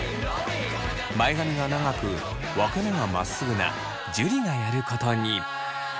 前髪が長く分け目がまっすぐな樹がやることに。